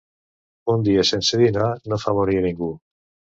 Un dia sense dinar no fa morir a ningú.